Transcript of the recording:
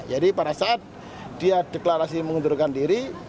jadi pada saat dia deklarasi mengundurkan diri